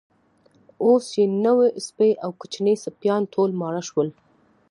اوس یې نو سپۍ او کوچني سپیان ټول ماړه شول.